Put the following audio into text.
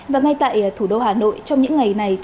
và ngay tại thủ đô hà nội trong những ngày này